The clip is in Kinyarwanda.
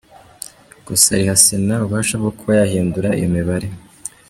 Gusa riha Sena ububasha bwo kuba yahindura iyo mibare.